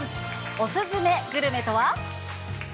おすずめグルメとは？